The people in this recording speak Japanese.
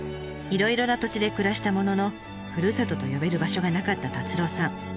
いろいろな土地で暮らしたもののふるさとと呼べる場所がなかった達朗さん。